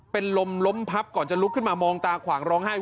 เป็นลมล้มพับก่อนจะลุกขึ้นมามองตาขวางร้องไห้